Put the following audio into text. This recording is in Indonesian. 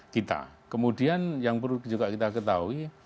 kita kemudian yang perlu juga kita ketahui